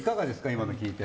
今の聞いて。